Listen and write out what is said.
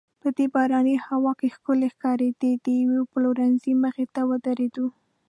په دې باراني هوا کې ښکلې ښکارېده، د یوې پلورنځۍ مخې ته ودریدو.